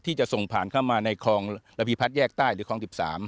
ที่จะส่งผ่านเข้ามาในคลองระพีพัฒน์แยกใต้หรือคลอง๑๓